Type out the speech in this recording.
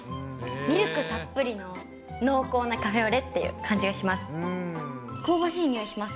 ミルクたっぷりの濃厚なカフェオレっていう感じがします。